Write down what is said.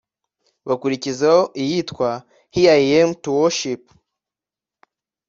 bakurikizaho iyitwa Here I am to Worship